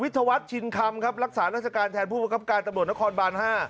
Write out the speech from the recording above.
วิทยาวัตรชินคำครับรักษานักศักรรณ์แทนผู้ประกับการตำรวจนครบาล๕